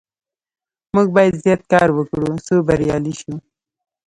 موږ باید زیات کار وکړو څو بریالي شو.